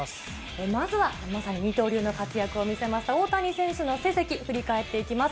まずは皆さんに二刀流の活躍を見せました大谷選手の成績、振り返っていきます。